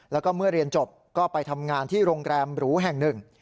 แล้วก็เมื่อเรียนจบก็ไปทำงานที่โรงแรมหรูแห่งหนึ่ง